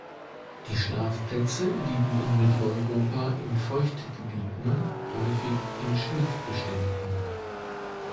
Die Schlafplätze liegen in Mitteleuropa in Feuchtgebieten, häufig in Schilfbeständen.